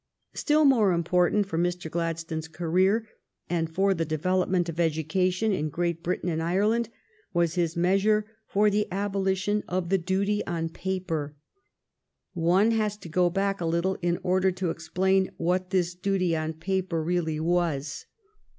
Still more important for Mr. Gladstone's career and for the development of education in Great Britain and Ireland was his measure for the aboli tion of the duty on paper. One has to go back a little in order to explain what this duty on paper really was.